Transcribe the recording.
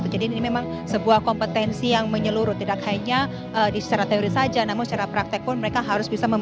jadi ini memang sebuah kompetensi yang menyeluruh tidak hanya secara teori saja namun secara praktek pun mereka harus bisa memenuhi